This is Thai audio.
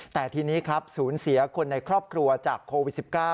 แต่ทีนี้ครับศูนย์เสียคนในครอบครัวจากโควิด๑๙